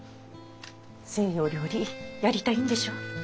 西洋料理やりたいんでしょ？